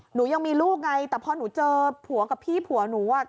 หนูยังมีลูกไงแต่พอหนูเจอผัวกับพี่ผัวหนูอ่ะ